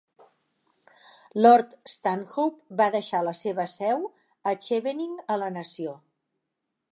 Lord Stanhope va deixar la seva seu a Chevening a la nació.